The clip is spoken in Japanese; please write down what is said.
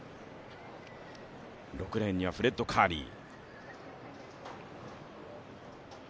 ６レーンにはフレッド・カーリー。